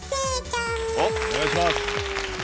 お願いします！